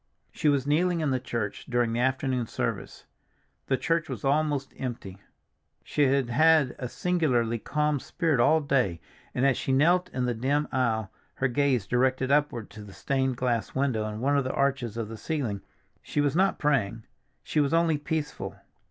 She was kneeling in the church during the afternoon service; the church was almost empty. She had had a singularly calm spirit all day, and as she knelt in the dim aisle, her gaze directed upward to the stained glass window in one of the arches of the ceiling, she was not praying, she was only peaceful.